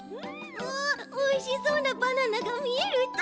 おいしそうなバナナがみえるち。